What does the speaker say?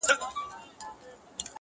پلار او مور یې په قاضي باندي نازېږي-